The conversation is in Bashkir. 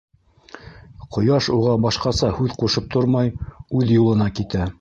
Ҡояш уға башҡаса һүҙ ҡушып тормай, үҙ юлына китә.